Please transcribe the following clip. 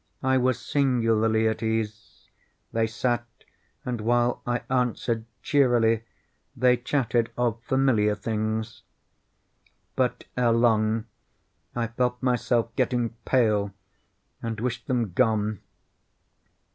I was singularly at ease. They sat, and while I answered cheerily, they chatted of familiar things. But, ere long, I felt myself getting pale and wished them gone.